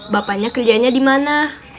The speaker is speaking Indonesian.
bapaknya kerjanya di mana